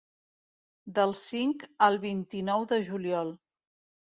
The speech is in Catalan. Del cinc al vint-i-nou de juliol.